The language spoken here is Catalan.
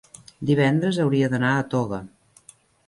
Divendres hauria d'anar a Toga.